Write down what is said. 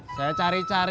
aku mau ke kantor